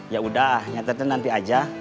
yaudah nyatakan nanti aja